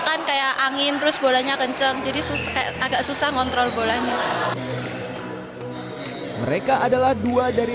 kan kayak angin terus bolanya kenceng jadi susah agak susah ngontrol bolanya mereka adalah dua dari